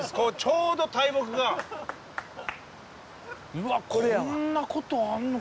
うわっこんなことあるのか。